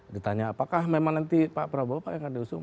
ditanya apakah memang nanti pak prabowo paling akan diusung